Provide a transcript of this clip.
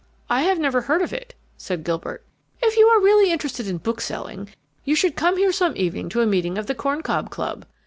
"I have never heard of it," said Gilbert. "If you are really interested in bookselling you should come here some evening to a meeting of the Corn Cob Club.